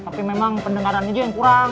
tapi memang pendenaannya yang kurang